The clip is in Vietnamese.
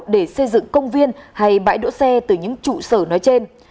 để xây dựng công viên hay bãi đỗ xe từ những trụ sở nói trên